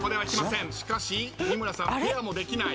しかし三村さんペアもできない。